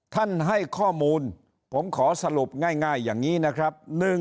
ให้ข้อมูลผมขอสรุปง่ายอย่างนี้นะครับ